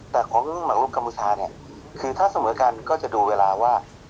แต่ของหมักลุกกัมพูชาเนี่ยคือถ้าเสมอกันก็จะดูเวลาว่า